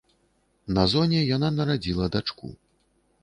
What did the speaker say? На зоне яна нарадзіла дачку.